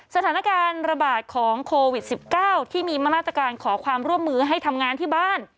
สถานการณ์ระบาดของโควิด๑๙ที่มีมาตรการขอความร่วมมือให้ทำงานที่บ้าน